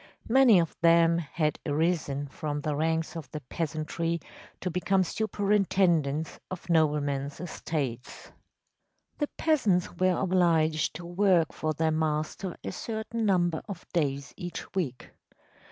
Many of them had arisen from the ranks of the peasantry to become superintendents of noblemen’s estates. The peasants were obliged to work for their master a certain number of days each week.